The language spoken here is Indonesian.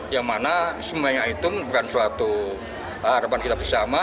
yang mana semuanya itu bukan suatu harapan kita bersama